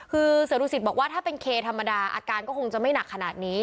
คือเสือดุสิตบอกว่าถ้าเป็นเคธรรมดาอาการก็คงจะไม่หนักขนาดนี้